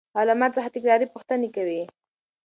هغه له ما څخه تکراري پوښتنه کوي.